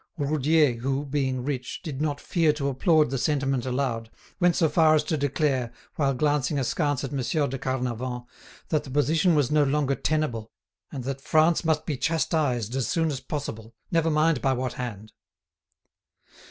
Roudier, who, being rich, did not fear to applaud the sentiment aloud, went so far as to declare, while glancing askance at Monsieur de Carnavant, that the position was no longer tenable, and that France must be chastised as soon as possible, never mind by what hand.